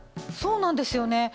そうなんですよね。